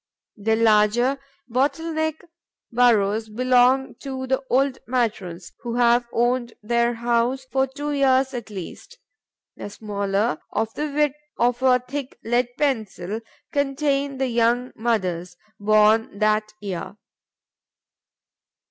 The larger, bottle neck burrows belong to the old matrons, who have owned their house for two years at least. The smaller, of the width of a thick lead pencil, contain the young mothers, born that year.